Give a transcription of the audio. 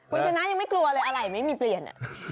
มันไพร้จะไม่กลัวเลยอลัยไม่มีเปลี่ยน